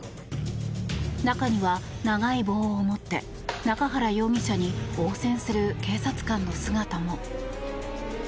中には、長い棒を持って中原容疑者に応戦する警察官の姿も。